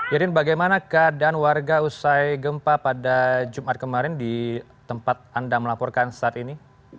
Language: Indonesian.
irin bagaimana keadaan warga usai gempa pada jumat kemarin di tempat anda melaporkan saat ini